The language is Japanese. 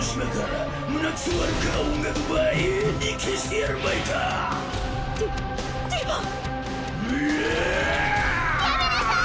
やめなさぁい！